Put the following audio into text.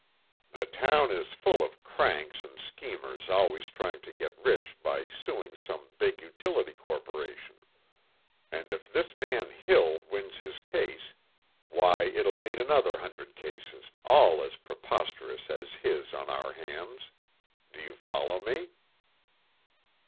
The town is full of cranks and schemers always trying to get rich by suing some big utility corporation. And if this man Hill wins his case, why it'll mean another hundred cases all as preposterous as his on our hands. Do you follow me?"